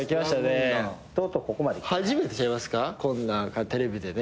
こんなテレビでね。